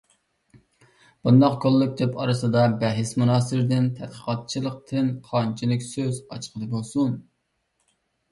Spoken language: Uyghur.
بۇنداق كوللىكتىپ ئارىسىدا بەھس مۇنازىرىدىن، تەتقىقاتچىلىقتىن قانچىلىك سۆز ئاچقىلى بولسۇن؟!